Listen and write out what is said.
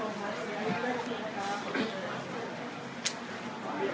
ขอโทษนะครับ